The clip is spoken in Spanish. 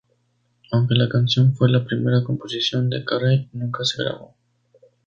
Aunque la canción fue la primera composición de Carey, nunca se grabó.